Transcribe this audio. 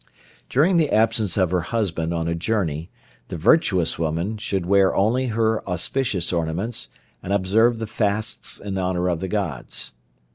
During the absence of her husband on a journey the virtuous woman should wear only her auspicious ornaments, and observe the fasts in honour of the Gods.